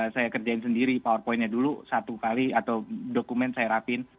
saya kerjain sendiri power pointnya dulu satu kali atau dokumen saya rapin